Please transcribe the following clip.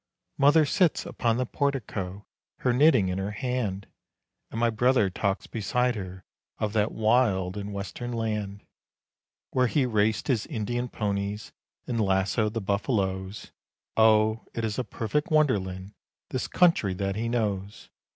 Mother sits upon the portico her knitting in her hand, And my brother talks beside her of that wild and Western land Where he raced his Indian ponies and lassoed the buffaloes Oh, it is a perfect wonderland! this country that he knows.